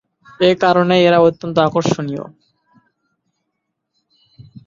এ কারণেই এরা অত্যন্ত আকর্ষণীয়।